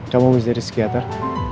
kamu menjadi psikiater